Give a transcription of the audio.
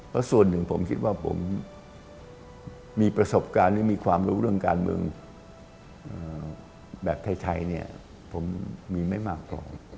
แล้วส่วนหนึ่งผมคิดว่าผมมีประสบการณ์หรือมีความรู้เรื่องการเมืองแบบไทยเนี่ยผมมีไม่มากพอ